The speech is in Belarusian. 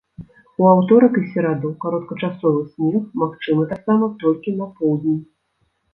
У аўторак і сераду кароткачасовы снег магчымы таксама толькі на поўдні.